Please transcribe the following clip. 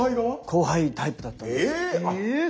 後輩タイプだったんです。